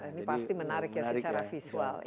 ini pasti menarik ya secara visual